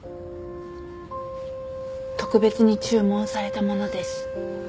特別に注文されたものです。